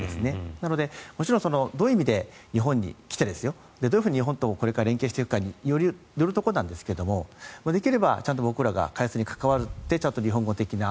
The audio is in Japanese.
なので、もちろんどういう意味で日本に来てどういうふうに日本とこれから連携していくかによるところなんですができればちゃんと僕らが開発に関わって日本語的な